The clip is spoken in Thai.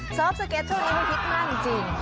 เสิร์ฟสเก็ตช่วงนี้ให้ฮิตมากจริง